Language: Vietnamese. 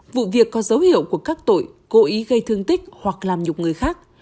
vụ việc có dấu hiệu của các tội cố ý gây thương tích hoặc làm nhục người khác